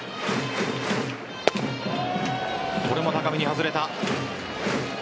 これも高めに外れた。